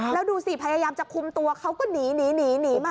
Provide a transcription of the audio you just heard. แล้วดูสิพยายามจะคุมตัวเขาก็หนีหนีมา